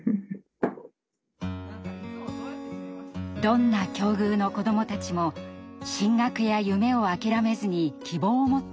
どんな境遇の子どもたちも進学や夢を諦めずに希望を持ってほしい。